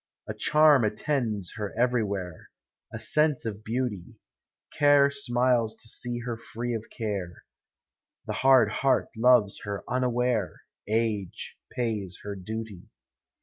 A charm attends her everywhere, — A sense of beauty; Care smiles to see her free of care; The hard heart loves her unaware; Age pays her duty.